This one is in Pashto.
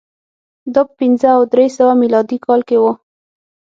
دا په پنځه او درې سوه میلادي کال کې و